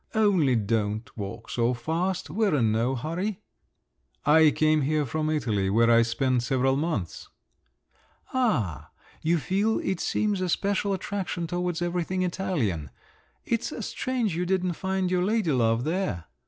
Only don't walk so fast, we're in no hurry." "I came here from Italy, where I spent several months." "Ah, you feel, it seems, a special attraction towards everything Italian. It's strange you didn't find your lady love there.